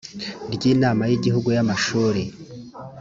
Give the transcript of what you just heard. ry inama y igihugu y amashuri